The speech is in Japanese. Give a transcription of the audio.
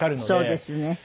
そうですね。